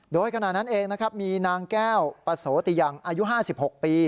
โดยขณะนั้นเองนะครับมีนางแก้วปะโสติยังอายุ๕๖ปี